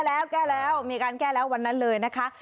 แล้วแก้แล้วมีการแก้แล้ววันนั้นเลยนะคะ